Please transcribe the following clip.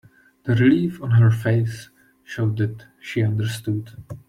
The relief on her face showed that she understood.